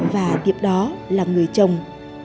và tiếp đó là người chồng